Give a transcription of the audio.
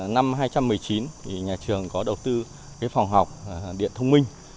năm hai nghìn một mươi chín nhà trường có đầu tư phòng học điện thông minh